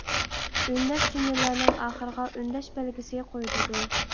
ئۈندەش جۈملىلەرنىڭ ئاخىرىغا ئۈندەش بەلگىسى قويۇلىدۇ.